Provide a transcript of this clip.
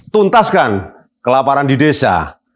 tuntaskan kelaparan di desa